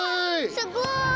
すごい！